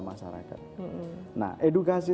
masyarakat nah edukasi